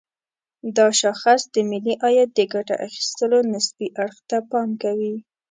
دا شاخص د ملي عاید د ګټه اخيستلو نسبي اړخ ته پام کوي.